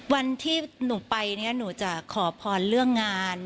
วันที่หนูไปเนี่ยหนูจะขอพรเรื่องงาน